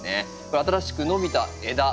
新しく伸びた枝。